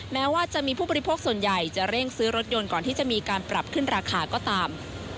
แม้ว่าจะมีผู้บริโภคส่วนใหญ่จะเร่งซื้อรถยนต์ก่อนที่จะมีการปรับขึ้นราคาก็ตาม